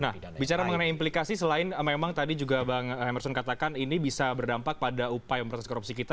nah bicara mengenai implikasi selain memang tadi juga bang emerson katakan ini bisa berdampak pada upaya memprotes korupsi kita